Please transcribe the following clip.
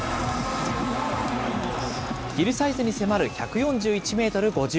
ヒルサイズに迫る１４１メートル５０。